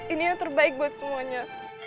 ini yang terbaik buat semuanya